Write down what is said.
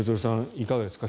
いかがですか。